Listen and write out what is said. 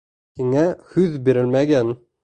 Һиңә һүҙ бирелмәгән.